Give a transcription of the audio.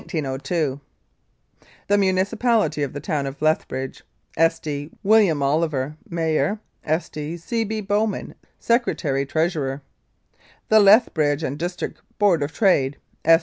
"THE MUNICIPALITY OF THE TOWN OF LETHBRIDGE, "(Sd.) WILLIAM OLIVER, Mayor. "(Sd.) C. B. BOWMAN, Secy. Treasurer. "THE LETHBRIDGE AND DISTRICT BOARD OF TRADE.